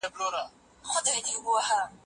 په قلم لیکنه کول د اوریدلو مهارت هم ښه کوي.